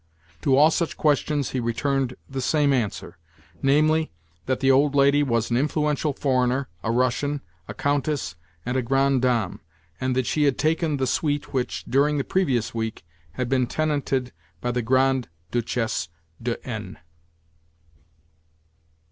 To all such questions he returned the same answer—namely, that the old lady was an influential foreigner, a Russian, a Countess, and a grande dame, and that she had taken the suite which, during the previous week, had been tenanted by the Grande Duchesse de N.